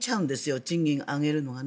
賃金を上げるのがね。